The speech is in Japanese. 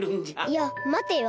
いやまてよ。